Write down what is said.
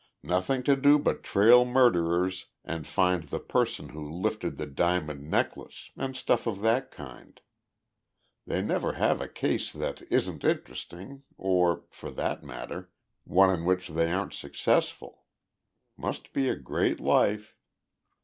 "Nothing to do but trail murderers and find the person who lifted the diamond necklace and stuff of that kind. They never have a case that isn't interesting or, for that matter, one in which they aren't successful. Must be a great life!"